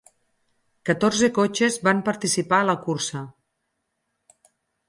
Catorze cotxes van participar a la cursa.